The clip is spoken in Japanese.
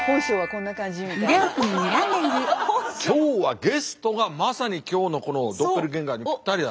今日はゲストがまさに今日のこのドッペルゲンガーにぴったりだ。